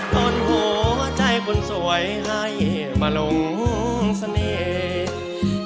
ตอนหัวใจคนสวยให้มาหลงเสน่ห์